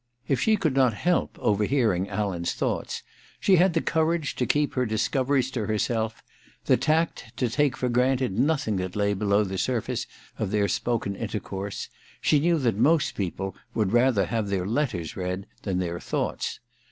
If she could not help overhearing Alan's thoughts, she had the courage to keep her discoveries to herself, the tact to take for granted nothing that lay below the surface of their spoken intercourse : she knew that most people would rather have their letters read than their thoughts.